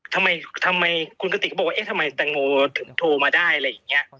ทำไมคุณกติกก็บอกว่าเอ๊ะทำไมแตงโมถึงโทรมาได้อะไรอย่างนี้